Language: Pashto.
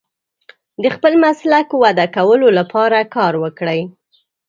د خپل مسلک وده کولو لپاره کار وکړئ.